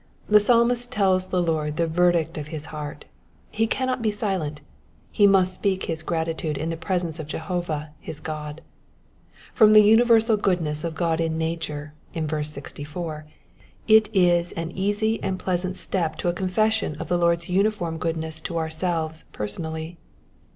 The Psalmist tells the Lord the verdict of his heart ; he cannot be silent, he must speak his gratitude in the presence of Jehovah, his God. From the •universal goodness of God in nature, in verse 64, it is an easy and pleasant •step to a confession of the Lord^s uniform goodness to ourselves personally.